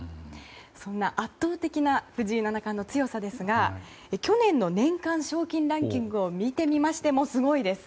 そんな圧倒的な藤井七冠の強さですが去年の年間賞金ランキングを見てみましても、すごいです。